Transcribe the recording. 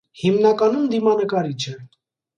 Հիմնականում դիմանկարիչ է։